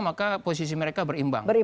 maka posisi mereka berimbang